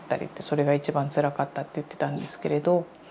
それが一番つらかったって言ってたんですけれど。